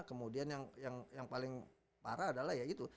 kemudian yang paling parah adalah ya gitu